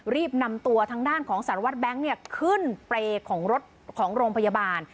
รีบนำตัวทางด้านของสารวัตรแบงค์ขึ้นเปรย์ของรถของโรงพยาบาล